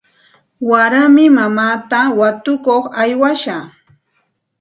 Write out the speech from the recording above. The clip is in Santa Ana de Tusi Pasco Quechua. Waraymi mamaata watukuq aywashaq.